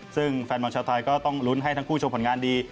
ซึ่งแฟนบอลชาวไทยก็ต้องลุ้นให้ทั้งคู่ชมผลงานดี